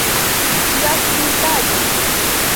Kia stultaĵo!